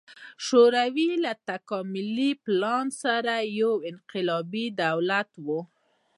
شوروي له تکاملي پلان سره یو انقلابي دولت و.